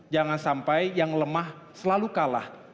jangan sampai yang lemah selalu kalah